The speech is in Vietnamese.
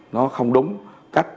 nó không đúng cách